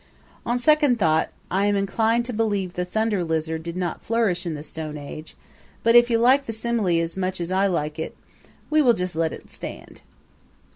On second thought I am inclined to believe the Thunder Lizard did not flourish in the Stone Age; but if you like the simile as much as I like it we will just let it stand.